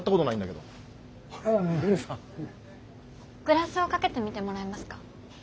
グラスをかけてみてもらえますか？